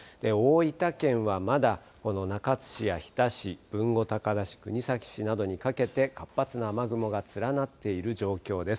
大分県はまだ中津市や日田市豊後高田市、国東市などにかけて活発な雨雲が連なっている状況です。